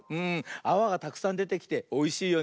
あわがたくさんでてきておいしいよね。